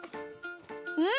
うん！